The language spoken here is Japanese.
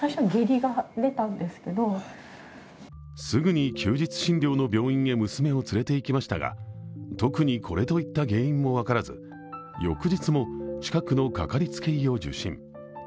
すぐに休日診療の病院へ娘を連れていきましたが特にこれといった原因も分からず翌日も近くのかかりつけ医を受診。